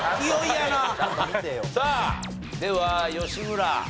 さあでは吉村。